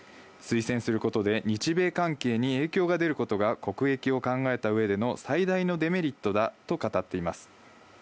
推薦することで日米関係に影響が出ることが国益を考えた上での最大のデメリットだと語っています。